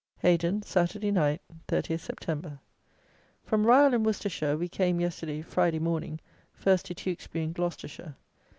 Hayden, Saturday Night, 30th Sept. From Ryall, in Worcestershire, we came, yesterday (Friday) morning, first to Tewksbury in Gloucestershire.